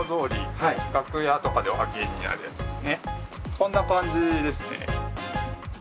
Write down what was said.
こんな感じですね。